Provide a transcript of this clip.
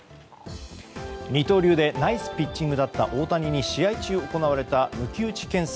二刀流でナイスピッチングだった大谷選手に試合中行われた抜き打ち検査。